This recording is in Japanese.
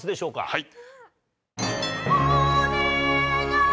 はい。